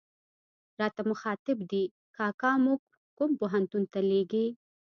راته مخاطب دي، کاکا موږ کوم پوهنتون ته لېږې.